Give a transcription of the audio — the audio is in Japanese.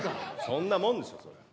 そんなもんでしょそれは。